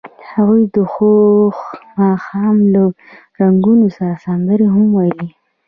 هغوی د خوښ ماښام له رنګونو سره سندرې هم ویلې.